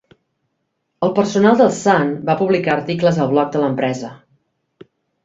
El personal del Sun va publicar articles al blog de l'empresa.